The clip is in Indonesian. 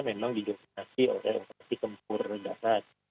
memang didominasi oleh operasi tempur darat